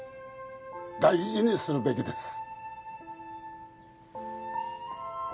大事にするべきです